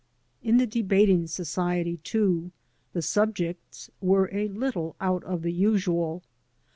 In the debating society, too, the subjects were a little out of the usual.